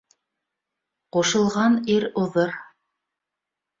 Ҡушылған ир уҙыр.